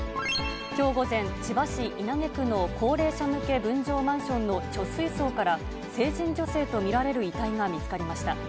きょう午前、千葉市稲毛区の高齢者向け分譲マンションの貯水槽から、成人女性と見られる遺体が見つかりました。